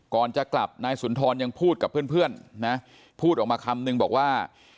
ก่อนจะกลับนายสุนทรยังพูดกับเพื่อนนะพูดออกมาคำนึงบอกว่า